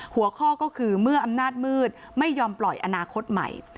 หัวข้อก็คือเมื่ออำนาจมืดไม่ยอมปล่อยอนาคตใหม่